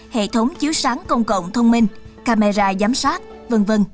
hệ thống chiếu sáng công cộng thông minh camera giám sát v v